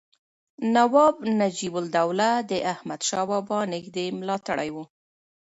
نواب نجیب الدوله د احمدشاه بابا نږدې ملاتړی و.